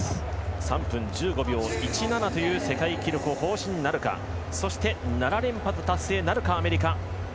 ３分１５秒１７という世界記録を更新なるか、そして７連覇達成なるかアメリカ。